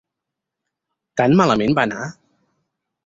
Tan malament va anar?